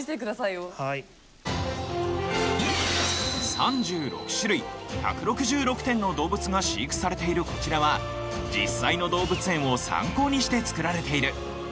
３６種類１６６点の動物が飼育されているこちらは実際の動物園を参考にして作られている！